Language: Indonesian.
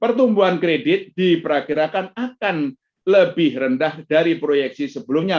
pertumbuhan kredit diperkirakan akan lebih rendah dari proyeksi sebelumnya